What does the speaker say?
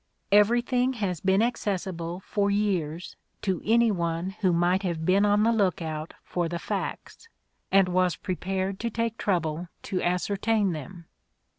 Everything has been accessible for years to any one who might have been on the look out for the facts, and was prepared to take trouble to ascertain them.